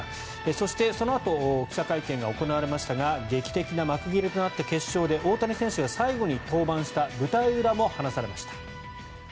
そして、そのあと記者会見が行われましたが劇的な幕切れとなった決勝で大谷選手が最後に登板した舞台裏も話されました。